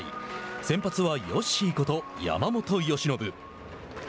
先発はよっしーこと山本由伸。